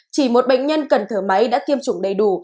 chỉ một bệnh nhân cần thở máy đã tiêm chủng đầy đủ